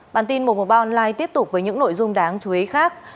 bản tin một trăm một mươi ba online tiếp tục với những nội dung đáng chú ý khác